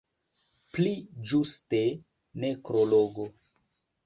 Pli ĝuste nekrologo!